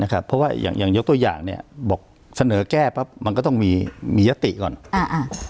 เพราะว่าอย่างอย่างยกตัวอย่างเนี่ยบอกเสนอแก้ปั๊บมันก็ต้องมีมียติก่อนอ่าอ่า